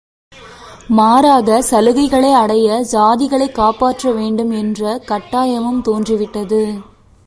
மாறாகச் சலுகைகளை அடைய சாதிகளைக் காப்பாற்ற வேண்டும் என்ற கட்டாயமும் தோன்றி விட்டது.